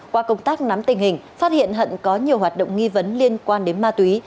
qua công tác nắm tình hình phát hiện hận có nhiều hoạt động nghi vấn liên quan đến ma túy